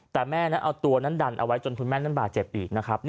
แต่แม่นั้นเอาตัวนั้นดันเอาไว้จนคุณแม่นั้นบาดเจ็บอีกนะครับ